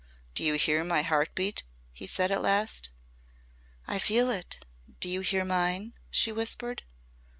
"Do you hear my heart beat?" he said at last. "I feel it. Do you hear mine?" she whispered.